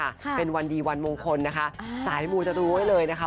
ค่ะเป็นวันดีวันมงคลนะคะอ่าสายมูจะรู้ไว้เลยนะคะ